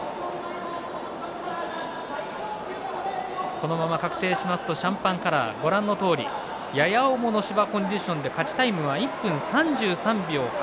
このまま確定しますとシャンパンカラー、ご覧のとおりやや重の芝コンディションで勝ちタイムは１分３３秒８。